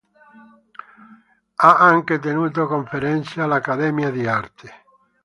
Ha anche tenuto conferenze all'Accademia di arte.